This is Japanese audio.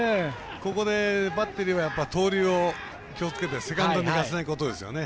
ここでバッテリーは盗塁を気をつけてセカンドにいかせないことですね。